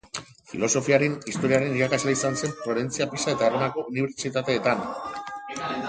Filosofiaren Historiaren irakasle izan zen Florentzia, Pisa eta Erromako unibertsitateetan.